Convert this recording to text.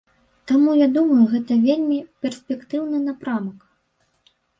Таму я думаю, гэта вельмі перспектыўны напрамак.